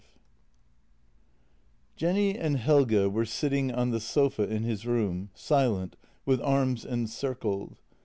V J ENNY and Helge were sitting on the sofa in his room, silent, with arms encircled.